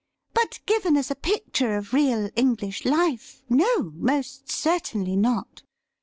But given as a picture of real English life, no, most certainly not.